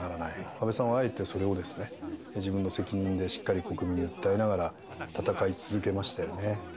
安倍さんはあえてそれを自分の責任でしっかり国民に訴えながら、戦い続けましたよね。